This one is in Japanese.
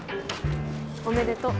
おめでとう。